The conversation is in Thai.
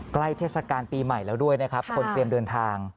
เทศกาลปีใหม่แล้วด้วยนะครับคนเตรียมเดินทาง